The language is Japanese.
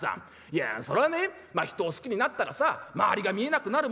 いやそらね人を好きになったらさ周りが見えなくなるものだ。